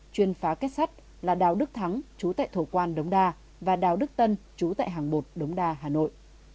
chuyên phá kết sắt là đào đức thắng chú tại thổ quan đống đa và đào đức tân chú tại hàng một đống đa hà nội